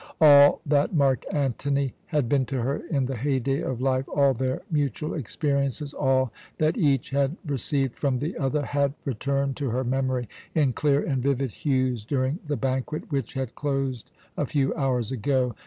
All that Mark Antony had been to her in the heyday of life, all their mutual experiences, all that each had received from the other, had returned to her memory in clear and vivid hues during the banquet which had closed a few hours ago.